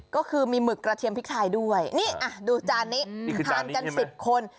ก็คือมีหมึกกระเทียมพริกไทยด้วยนี่ดูจานนี้ทานกัน๑๐คน